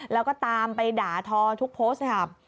แล้วก็ตามไปด่าทอทุกโพสต์ค่ะ